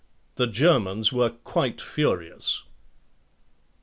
The Germans were quite furious.